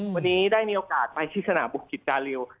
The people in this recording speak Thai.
วันนี้ได้มีโอกาสไปที่สนามบุกิจดาริว